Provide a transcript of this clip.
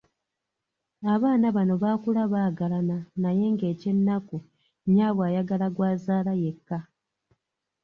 Abaana bano baakula baagaalana naye nga eky’ennaku nnyaabwe ayagala gw’azaala yekka!